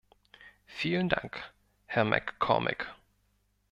Vielen Dank, Herr MacCormick.